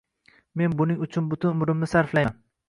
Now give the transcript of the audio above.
Men buning uchun butun umrimni sarflayman.